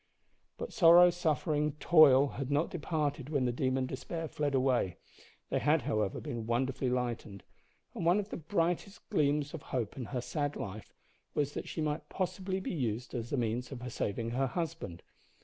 But sorrow, suffering, toil had not departed when the demon despair fled away. They had, however, been wonderfully lightened, and one of the brightest gleams of hope in her sad life was that she might possibly be used as the means of saving her husband.